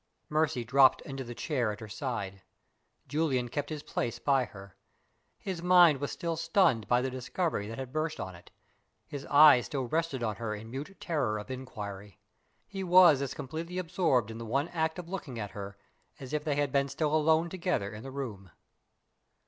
Mercy dropped into the chair at her side. Julian kept his place by her. His mind was still stunned by the discovery that had burst on it; his eyes still rested on her in mute terror of inquiry. He was as completely absorbed in the one act of looking at her as if they had been still alone together in the room.